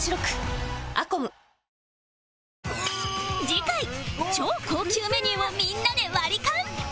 次回超高級メニューをみんなでワリカン